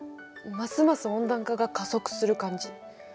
ますます温暖化が加速する感じ。